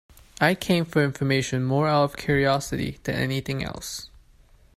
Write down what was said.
I came for information more out of curiosity than anything else.